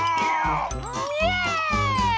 イエーイ！